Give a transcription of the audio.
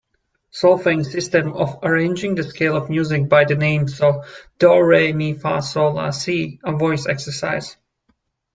Solfaing system of arranging the scale of music by the names do, re, mi, fa, sol, la, si a voice exercise.